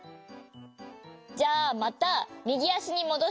じゃあまたみぎあしにもどして。